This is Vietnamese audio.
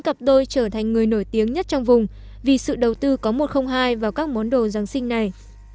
cặp đôi trở thành người nổi tiếng nhất trong vùng vì sự đầu tư có một trăm linh hai vào các món đồ giáng sinh này